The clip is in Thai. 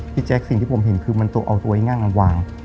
พี่แจ๊คสิ่งที่ผมเห็นคือมันเอาตัวไอ้งั่งนั้นวาง